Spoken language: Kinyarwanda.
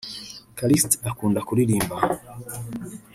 Callixte akunda kuririmba